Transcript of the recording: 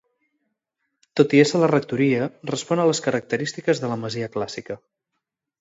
Tot i ésser la rectoria, respon a les característiques de la masia clàssica.